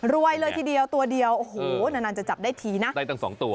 เลยทีเดียวตัวเดียวโอ้โหนานจะจับได้ทีนะได้ตั้งสองตัว